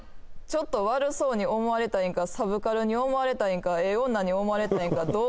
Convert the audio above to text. ちょっと悪そうに思われたいんかサブカルに思われたいんかええ女に思われたいんか何？